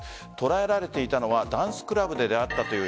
捉えられていたのはダンスクラブで出会ったという